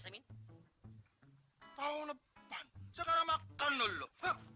sekarang makan dulu